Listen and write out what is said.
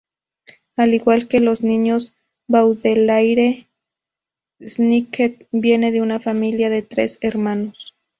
Al igual que los niños Baudelaire, Snicket viene de una familia de tres hermanos.